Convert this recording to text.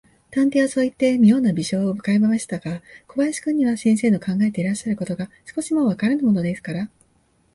探偵はそういって、みょうな微笑をうかべましたが、小林君には、先生の考えていらっしゃることが、少しもわからぬものですから、